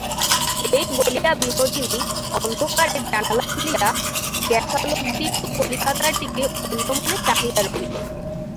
এই বলিয়া বিনোদিনী অন্ধকারে জানালা খুলিয়া গ্যাসালোকদীপ্ত কলিকাতার দিকে অন্যমনে চাহিয়া রহিল।